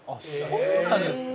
そうなんですか？